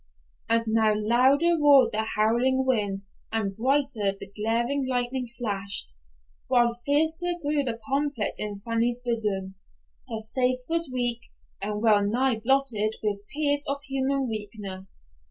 And now louder roared the howling wind and brighter the glaring lightning flashed, while fiercer grew the conflict in Fanny's bosom. Her faith was weak, and well nigh blotted with tears of human weakness.